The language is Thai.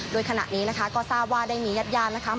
โดยขณะนี้นะคะก็ทราบว่าได้มีญาติญาตินะคะ